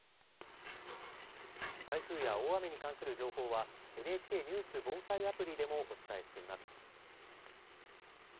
台風や大雨に関する情報はＮＨＫニュース・防災アプリでもお伝えしています。